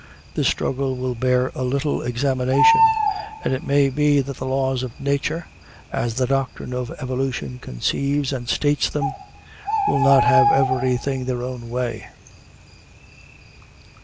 This struggle will bear a little examination, and it may be that the laws of nature, as the doctrine of evolution conceives and states them, will not have everything their own way.